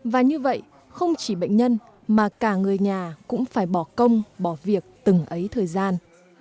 và như vậy không chỉ bệnh nhân mà cả người nhà cũng phải bỏ công bỏ việc từng ấy thời gian